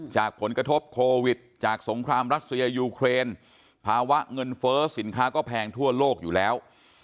จากผลกระทบโควิดจากสงครามรัสเซียยูเครนภาวะเงินเฟ้อสินค้าก็แพงทั่วโลกอยู่แล้ว